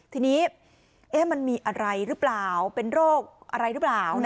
ทีนี้มันมีอะไรหรือเปล่าเป็นโรคอะไรหรือเปล่า